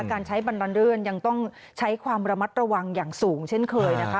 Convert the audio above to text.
การใช้บันดันรื่นยังต้องใช้ความระมัดระวังอย่างสูงเช่นเคยนะคะ